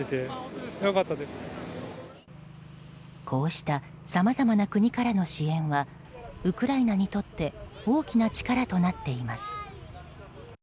こうしたさまざまな国からの支援はウクライナにとって大きな力となっています。